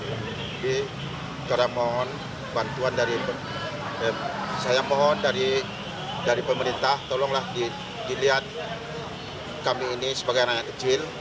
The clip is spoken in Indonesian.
jadi saya mohon bantuan dari pemerintah tolonglah dilihat kami ini sebagai orang yang kecil